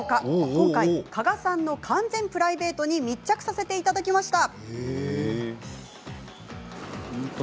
今回、加賀さんの完全プライベートに密着させてもらいました。